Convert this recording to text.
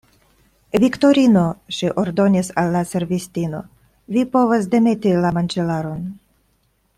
Viktorino, ŝi ordonis al la servistino, vi povas demeti la manĝilaron.